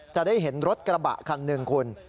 จะได้เห็นรถกระบะคันหนึ่งคุณ